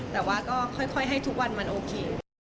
แต่ว่าก็ค่อยให้ทุกวันมันโอเค